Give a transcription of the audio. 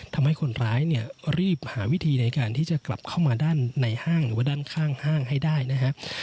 ทำให้คนร้ายเนี่ยรีบหาวิธีในการที่จะกลับเข้ามาด้านในห้างหรือว่าด้านข้างห้างให้ได้นะครับ